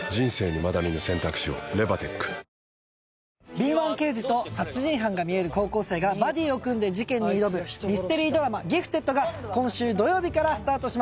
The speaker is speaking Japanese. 敏腕刑事と殺人犯が見える高校生がバディを組んで事件に挑むミステリードラマ『ギフテッド』が今週土曜日からスタートします。